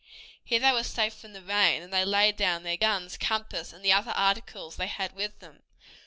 Here they were safe from the rain, and they laid down their guns, compass, and the other articles they had with them.